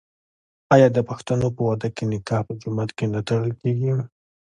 آیا د پښتنو په واده کې نکاح په جومات کې نه تړل کیږي؟